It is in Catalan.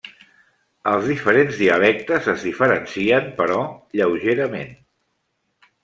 Els diferents dialectes es diferencien, però lleugerament.